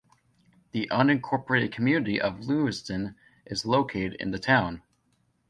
The unincorporated community of Lewiston is located in the town.